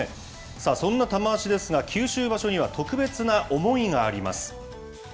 そんな玉鷲ですが、九州場所には特別な思いがあります。